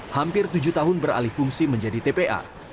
hampir tujuh tahun beralih fungsi menjadi tpa